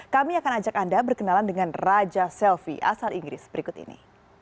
kami akan ajak anda berkenalan dengan raja selvi asal inggris berikut ini